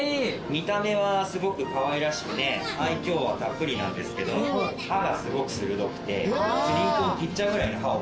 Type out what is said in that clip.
見た目はすごくかわいらしく愛嬌はたっぷりなんですけど歯がすごく鋭くて釣り糸を切っちゃうぐらいの歯を。